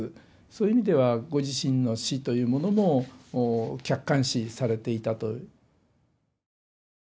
そういう意味ではご自身の死というものも客観視されていたと。